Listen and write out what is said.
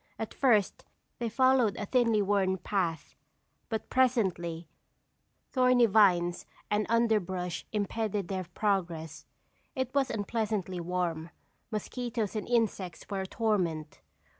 At first they followed a thinly worn path, but presently thorny vines and underbrush impeded their progress. It was unpleasantly warm; mosquitoes and insects were a torment.